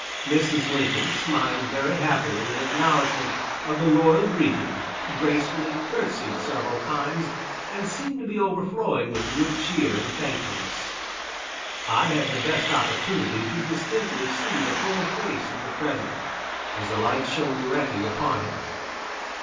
Mrs. Lincoln smiled very happily in acknowledgment of the loyal greeting, gracefully curtsied several times and seemed to be overflowing with good cheer and thankfulness. I had the best opportunity to distinctly see the full face of the President, as the light shone directly upon him.